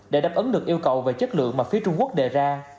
để đáp ứng được yêu cầu về chất lượng mà phía trung quốc đề ra